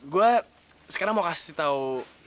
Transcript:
gue sekarang mau kasih tau